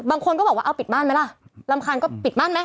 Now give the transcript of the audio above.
บางคนก็บอกว่าเอาปิดบ้านไหมล่ะรำคาญก็ปิดบ้านไหม